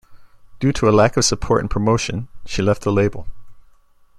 Due to a lack of support and promotion, she left the label.